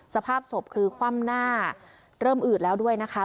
สภาพศพคือคว่ำหน้าเริ่มอืดแล้วด้วยนะคะ